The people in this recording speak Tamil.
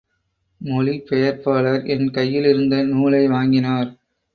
மொழிபெயர்ப்பாளர் என் கையிலிருந்த நூலை வாங்கினார்.